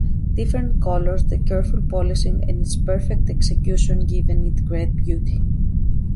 Different colors, the careful polishing and its perfect execution give it great beauty.